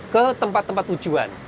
ke tempat tempat tujuan